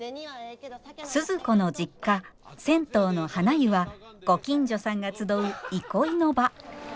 鈴子の実家銭湯のはな湯はご近所さんが集う憩いの場。